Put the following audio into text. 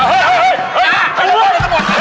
โอ้ยล้างทองล้างทอง